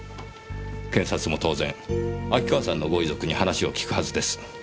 検察も当然秋川さんのご遺族に話を聞くはずです。